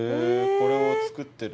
これを作ってる。